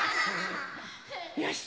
よし！